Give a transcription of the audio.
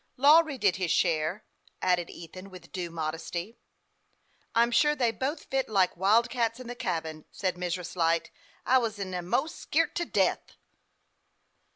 " La wry did his share," added Ethan, with due modesty. " I'm sure they both fit like wildcats in the cabin," said Mrs. Light. " I was e'ena'most scart to death."